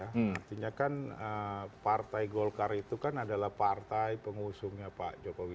artinya kan partai golkar itu kan adalah partai pengusungnya pak jokowi